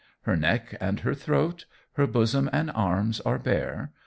Her neck and her throat, her bosom and arms are bare.